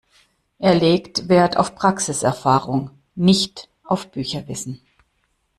Er legt wert auf Praxiserfahrung, nicht auf Bücherwissen.